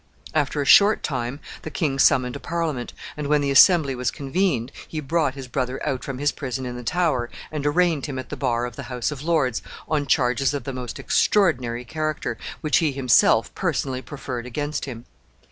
After a short time the king summoned a Parliament, and when the assembly was convened, he brought his brother out from his prison in the Tower, and arraigned him at the bar of the House of Lords on charges of the most extraordinary character, which he himself personally preferred against him.